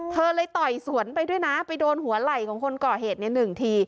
เธอเลยต่อยสวนไปด้วยนะไปโดนหัวไหล่ของคนก่อเหตุในหนึ่งที